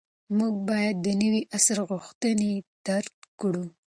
موږ باید د نوي عصر غوښتنې درک کړو.